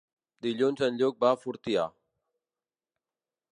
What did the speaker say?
Dilluns en Lluc va a Fortià.